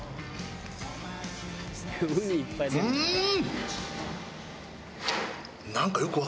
うん！